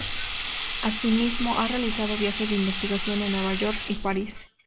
Asimismo ha realizado viajes de investigación en Nueva York y París.